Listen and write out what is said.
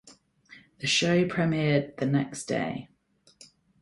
The show premiered the next day.